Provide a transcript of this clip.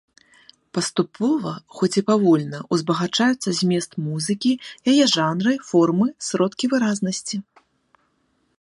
Паступова, хоць і павольна, узбагачаюцца змест музыкі, яе жанры, формы, сродкі выразнасці.